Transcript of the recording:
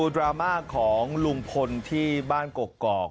ดราม่าของลุงพลที่บ้านกกอก